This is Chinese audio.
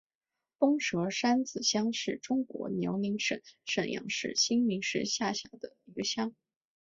东蛇山子乡是中国辽宁省沈阳市新民市下辖的一个乡。